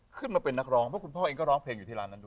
ขึ้นมาเป็นนักร้องเพราะคุณพ่อเองก็ร้องเพลงอยู่ที่ร้านนั้นด้วย